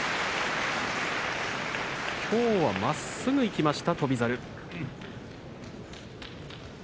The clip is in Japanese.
きょうはまっすぐいきました翔猿。